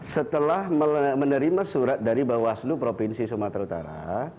setelah menerima surat dari bawaslu provinsi sumatera utara